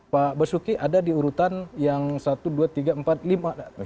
pak basuki ada di unggulan